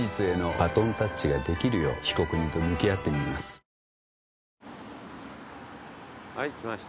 東芝はい来ました。